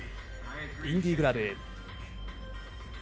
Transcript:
インディグラブ。